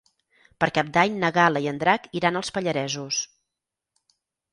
Per Cap d'Any na Gal·la i en Drac iran als Pallaresos.